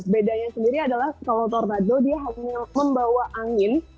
bedanya sendiri adalah kalau tortado dia hanya membawa angin